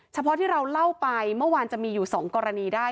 เฉพาะที่เราเล่าไปเมื่อวานจะมีอยู่๒กรณีได้